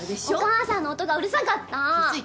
お母さんの音がうるさかった！